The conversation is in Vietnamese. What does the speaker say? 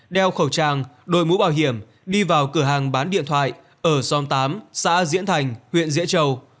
đeo khẩu trang đội mũ bảo hiểm đi vào cửa hàng bán điện thoại ở xóm tám xã diễn thành huyện diễn châu